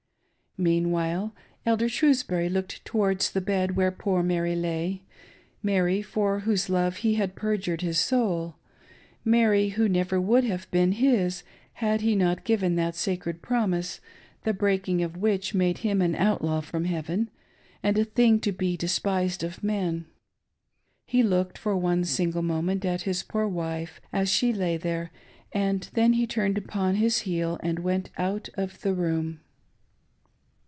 Meanwhile, Elder Shrewsbury looked towards the bed where poor Mary lay — Mary, for whose love he had perjured his soul — Mary who never would have been his had he not given that sacred promise, the breaking of which made him an outlaw from heaven and a thing to be despised of men. He looked for one single moment at his poor wife as she lay there, and then he turned upon his heel and went out of the room.